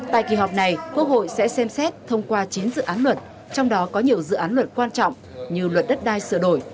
tại kỳ họp này quốc hội sẽ xem xét thông qua chín dự án luật trong đó có nhiều dự án luật quan trọng như luật đất đai sửa đổi